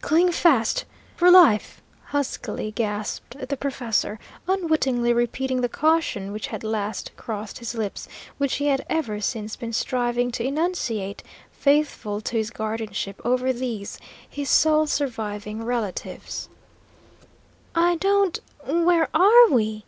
"Cling fast for life!" huskily gasped the professor, unwittingly repeating the caution which had last crossed his lips, which he had ever since been striving to enunciate, faithful to his guardianship over these, his sole surviving relatives. "I don't where are we?"